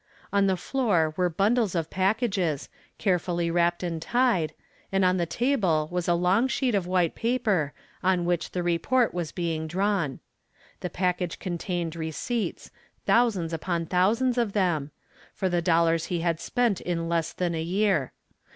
On the floor were bundles of packages, carefully wrapped and tied, and on the table was the long sheet of white paper on which the report was being drawn. The package contained receipts thousands upon thousands of them for the dollars he had spent in less than a year.